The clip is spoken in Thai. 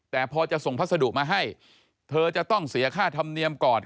แต่พอจะส่งพัสดุมาให้เธอจะต้องเสียค่าธรรมเนียมก่อน